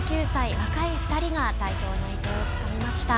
若い２人が代表内定をつかみました。